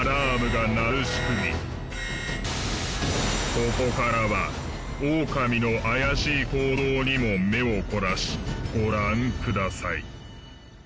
ここからはオオカミの怪しい行動にも目を凝らしご覧ください。